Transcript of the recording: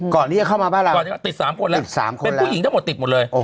ก่อนนี้เข้ามาบ้างหรือเปล่าติด๓คนแล้วเป็นผู้หญิงทั้งหมดติดหมดเลย